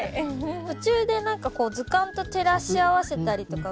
途中で何かこう図鑑と照らし合わせたりとか。